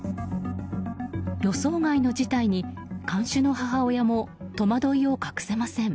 予想外の事態に看守の母親も戸惑いを隠せません。